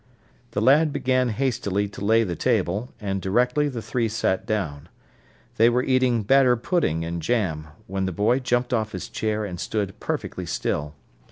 The lad began hastily to lay the table, and directly the three sat down. They were eating batter pudding and jam, when the boy jumped off his chair and stood perfectly stiff.